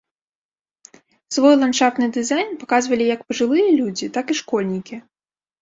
Свой ландшафтны дызайн паказвалі як пажылыя людзі, так і школьнікі.